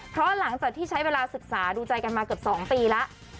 เพราะหลังจากที่ใช้เวลาศึกษาดูใจกันมาเกือบ๒ปีแล้ว